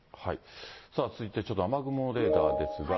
続いてちょっと雨雲レーダーですが。